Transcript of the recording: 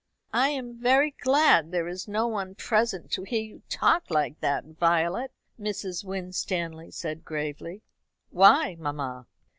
"I am very glad there is no one present to hear you talk like that, Violet," Mrs. Winstanley said gravely. "Why, mamma?'